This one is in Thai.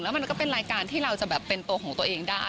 มันก็เป็นรายการที่เราจะแบบเป็นตัวของตัวเองได้